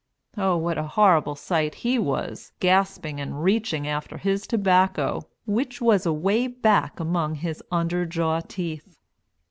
Oh, what a horrible sight he was, gasping and reaching after his tobacco, which was away back among his under jaw teeth.